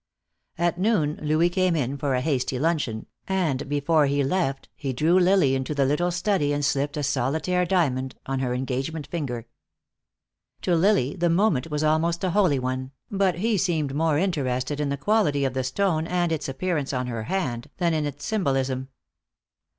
At noon Louis came in for a hasty luncheon, and before he left he drew Lily into the little study and slipped a solitaire diamond on her engagement finger. To Lily the moment was almost a holy one, but he seemed more interested in the quality of the stone and its appearance on her hand than in its symbolism.